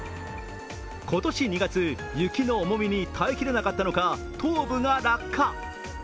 今年２月、雪の重みに耐えきれなかったのか、頭部が落下。